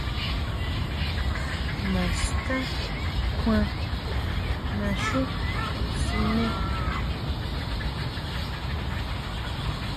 Naská kjuan naxú siné.